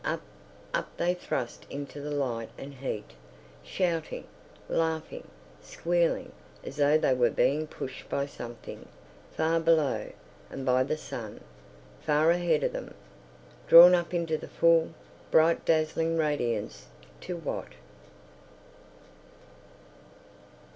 Up, up they thrust into the light and heat, shouting, laughing, squealing, as though they were being pushed by something, far below, and by the sun, far ahead of them—drawn up into the full, bright, dazzling radiance to... what?